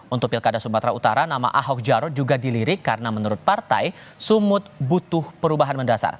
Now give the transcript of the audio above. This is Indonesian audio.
untuk pilkada sumatera utara nama ahok jarot juga dilirik karena menurut partai sumut butuh perubahan mendasar